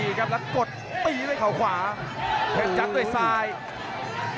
อื้อหือจังหวะขวางแล้วพยายามจะเล่นงานด้วยซอกแต่วงใน